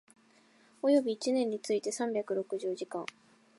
及び一年について三百六十時間